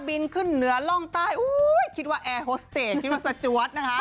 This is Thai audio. บินขึ้นเหนือร่องใต้คิดว่าแอร์ฮอสเตรกคิดว่าสจวด